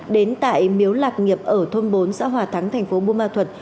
đến tại miếu lạc nghiệp ở thôn bốn xã hòa thắng tp buôn ma thuật